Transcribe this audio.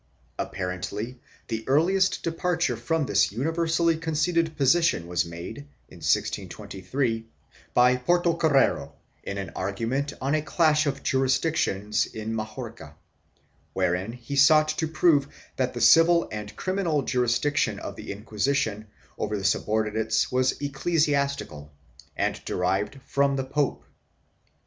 1 Apparently the earliest departure from this universally con ceded position was made, in 1623, by Portocarrero in an argu ment on a clash of jurisdictions in Majorca, wherein he sought to prove that the civil and criminal jurisdiction of the Inquisition over its subordinates was ecclesiastical and derived from the pope.